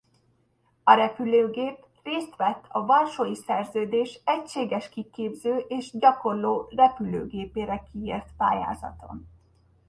A repülőgép részt vett a Varsói Szerződés egységes kiképző és gyakorló repülőgépére kiírt pályázaton.